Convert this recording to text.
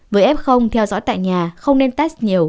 với f theo dõi tại nhà không nên test nhiều